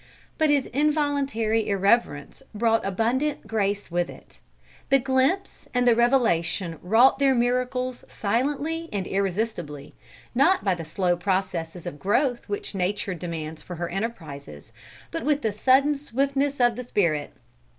But his involuntary irreverence brought abundant grace with it. The glimpse and the revelation wrought their miracles silently and irresistibly, not by the slow processes of growth which Nature demands for her enterprises, but with the sudden swiftness of the spirit.